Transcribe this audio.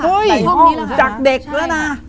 เฮ้ยห้องจากเด็กแล้วนะ